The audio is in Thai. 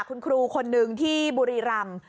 คุณครูคนนึงที่บุรีรำ